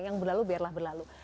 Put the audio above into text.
yang berlalu biarlah berlalu